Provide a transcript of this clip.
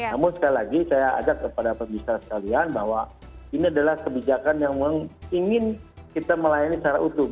namun sekali lagi saya ajak kepada pemirsa sekalian bahwa ini adalah kebijakan yang memang ingin kita melayani secara utuh